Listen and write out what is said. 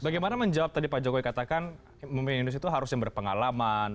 bagaimana menjawab tadi pak jokowi katakan pemimpin indonesia itu harus yang berpengalaman